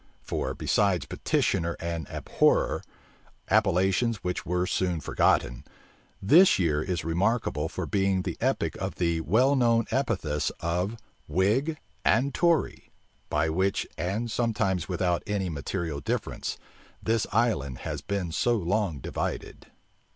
For besides petitioner and abhorrer, appellations which were soon forgotten, this year is remarkable for being the epoch of the well known epithets of "whig" and "tory", by which, and sometimes without any material difference, this island has been so long divided.